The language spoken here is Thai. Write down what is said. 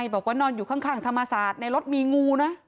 บอกว่านอนอยู่ข้างธรรมศาสตร์ในรถมีงูนะ